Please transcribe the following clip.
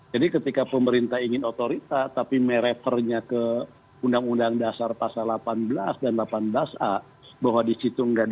jadi yang khusus misalnya ada